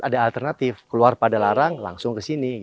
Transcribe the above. ada alternatif keluar pada larang langsung ke sini